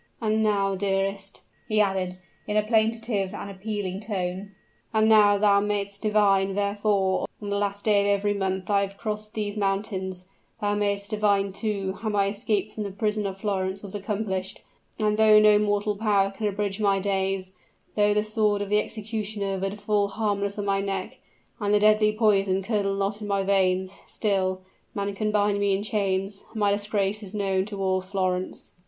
"And now, dearest," he added, in a plaintive and appealing tone, "and now thou may'st divine wherefore on the last day of every month I have crossed these mountains; thou may'st divine, too, how my escape from the prison of Florence was accomplished; and, though no mortal power can abridge my days though the sword of the executioner would fall harmless on my neck, and the deadly poison curdle not in my veins still, man can bind me in chains, and my disgrace is known to all Florence."